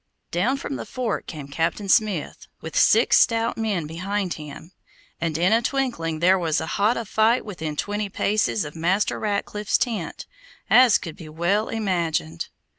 Down from the fort came Captain Smith, with six stout men behind him, and in a twinkling there was as hot a fight within twenty paces of Master Ratcliffe's tent, as could be well imagined.